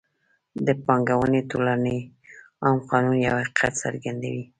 د پانګې ټولونې عام قانون یو حقیقت څرګندوي